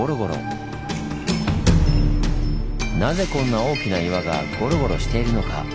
なぜこんな大きな岩がゴロゴロしているのか？